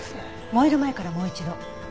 燃える前からもう一度。